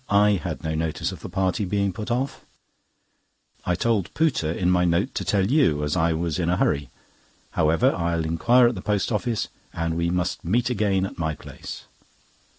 I had no notice of the party being put off." Gowing replied: "I told Pooter in my note to tell you, as I was in a hurry. However, I'll inquire at the post office, and we must meet again at my place."